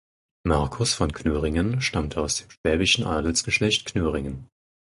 Markus von Knöringen stammte aus dem schwäbischen Adelsgeschlecht Knöringen.